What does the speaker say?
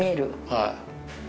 はい。